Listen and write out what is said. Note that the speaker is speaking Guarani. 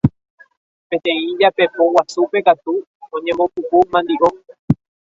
Peteĩ japepo guasúpe katu oñembopupu mandiʼo.